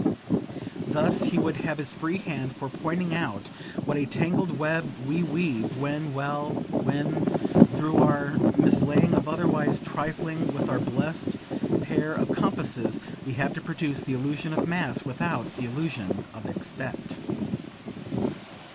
Thus he would have his free hand for pointing out what a tangled web we weave when well, when, through our mislaying or otherwise trifling with our blest pair of compasses, we have to produce the illusion of mass without the illusion of extent.